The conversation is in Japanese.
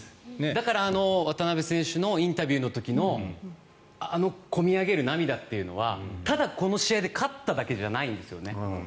だから渡邊選手のインタビューの時のあのこみ上げる涙というのはただ、この試合で勝っただけじゃないんですよね。